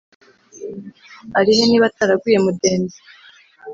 arihe niba ataraguye mudende?: